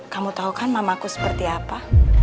kamu tau kan mamahku seperti apa